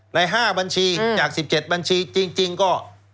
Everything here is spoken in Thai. ในห้าบัญชีอืมจากสิบเจ็ดบัญชีจริงจริงก็